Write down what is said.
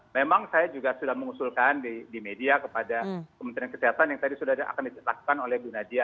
memang saya juga sudah mengusulkan di media kepada kementerian kesehatan yang tadi sudah akan ditetapkan oleh bu nadia